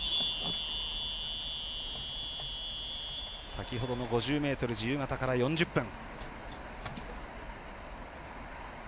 先ほどの５０ｍ自由形から４０分。